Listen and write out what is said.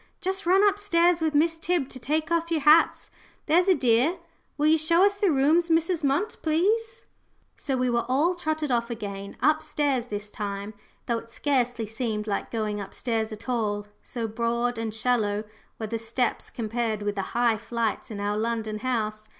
Just run up stairs with Miss Tib to take off your hats, there's a dear. Will you show us the rooms, Mrs. Munt, please?" So we were all trotted off again up stairs this time, though it scarcely seemed like going up stairs at all, so broad and shallow were the steps compared with the high up flights in our London house.